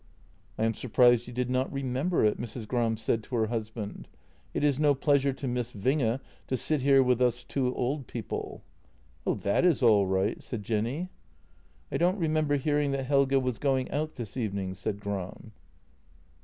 "" I am surprised you did not remember it," Mrs. Gram said to her husband. " It is no pleasure to Miss Winge to sit here with us two old people." " Oh, that is all right," said Jenny. " I don't remember hearing that Helge was going out this evening," said Gram.